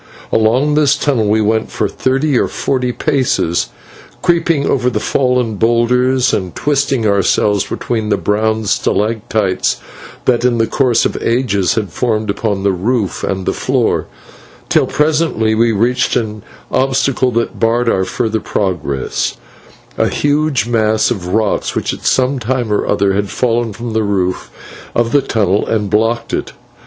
Along this tunnel we went for thirty or forty paces, creeping over the fallen boulders, and twisting ourselves between the brown stalactites that in the course of ages had formed upon the roof and floor, till presently we reached an obstacle that barred our further progress; a huge mass of rock which at some time or other had fallen from the roof of the tunnel and blocked it.